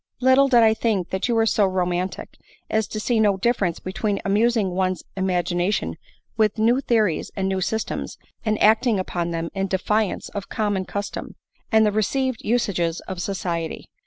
Little did I think that you were so roman tic, as to see no difference between amusing one's im agination with new theories and new systems, and acting upon them in defiance of common custom, and the received usages of society.